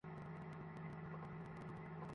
তাহলে, শতভাগ নিশ্চিত না এটা!